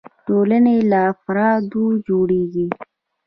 ټولنې له افرادو جوړيږي.